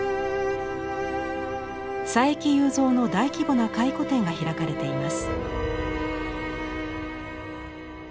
佐伯祐三の大規模な回顧展が開かれています。